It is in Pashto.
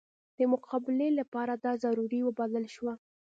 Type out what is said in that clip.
د مقابلې لپاره دا ضروري وبلله شوه.